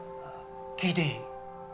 聞いていい？